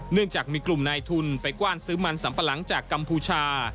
เนื่องจากมีกลุ่มนายทุนไปกว้านซื้อมันสัมปะหลังจากกัมพูชา